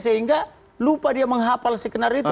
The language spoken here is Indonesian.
sehingga lupa dia menghapal skenario itu